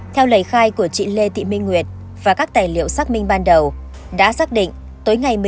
theo lời khai của chị lê thị minh nguyệt và các tài liệu xác minh ban đầu đã xác định tối ngày một mươi chín tháng tám năm hai nghìn một mươi ba